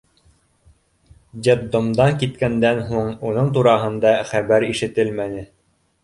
Детдомдан киткәндән һуң уның тураһында хәбәр ишетелмәне.